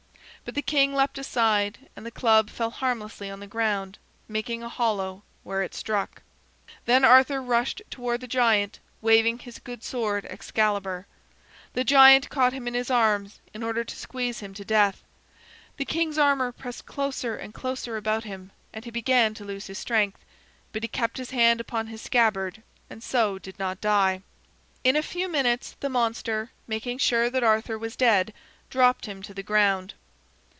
But the king leapt aside and the club fell harmlessly on the ground, making a hollow where it struck. Then Arthur rushed toward the giant, waving his good sword Excalibur. The giant caught him in his arms, in order to squeeze him to death. The king's armor pressed closer and closer about him, and he began to lose his strength. But he kept his hand upon his scabbard, and so did not die. In a few minutes the monster, making sure that Arthur was dead, dropped him to the ground.